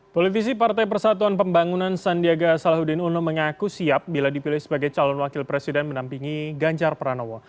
politisi partai persatuan pembangunan sandiaga salahuddin uno mengaku siap bila dipilih sebagai calon wakil presiden menampingi ganjar pranowo